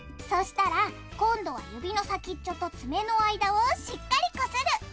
そしたら今度は指の先っちょと爪の間をしっかりこする。